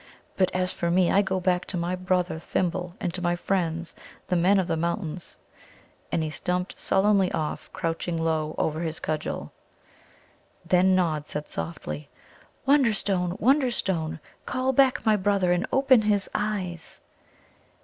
But as for me, I go back to my brother Thimble, and to my friends, the Men of the Mountains." And he stumped sullenly off, crouching low over his cudgel. Then Nod said softly: "Wonderstone, Wonderstone! call back my brother and open his eyes."